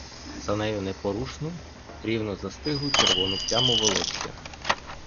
За нею непорушну, рівно застиглу червону пляму волосся.